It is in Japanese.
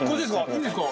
いいんですか？